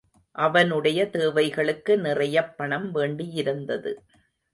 அவனுடைய தேவைகளுக்கு நிறையப் பணம் வேண்டியிருந்தது.